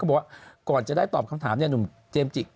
บอกว่าก่อนจะได้ตอบคำถามเนี่ยหนุ่มเจมส์จิก